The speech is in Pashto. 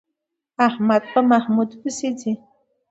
احمد په محمود پسې ځي.